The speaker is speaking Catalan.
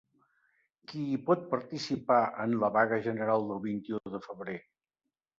Qui hi pot participar, en la vaga general del vint-i-u de febrer?